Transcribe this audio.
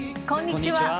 こんにちは。